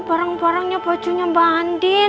barang barangnya bajunya mbak andin